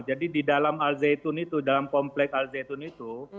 jadi di dalam al zaitun itu dalam kompleks al zaitun itu